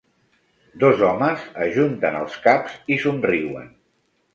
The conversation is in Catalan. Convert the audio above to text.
Dos homes ajunten els caps i somriuen.